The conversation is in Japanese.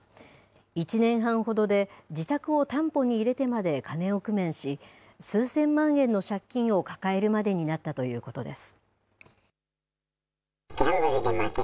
１年半ほどで自宅を担保に入れてまで金を工面し、数千万円の借金を抱えるまでになったということです。